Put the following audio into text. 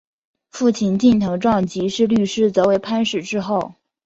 父亲近藤壮吉是律师则为藩士之后。